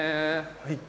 はい。